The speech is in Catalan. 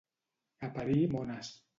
A parir mones.